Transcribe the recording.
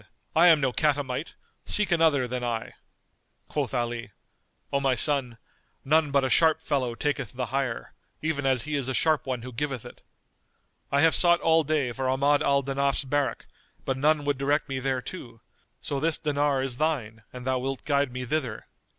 I am no catamite: seek another than I." Quoth Ali, "O my son, none but a sharp fellow taketh the hire, even as he is a sharp one who giveth it. I have sought all day for Ahmad al Danaf's barrack, but none would direct me thereto; so this dinar is thine an thou wilt guide me thither."